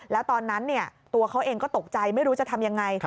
แล้วตอนนั้นตัวเขาเองก็ตกใจไม่รู้จะทำยังไง